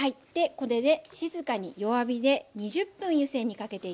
これで静かに弱火で２０分湯煎にかけていきます。